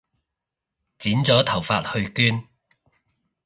剪咗頭髮去捐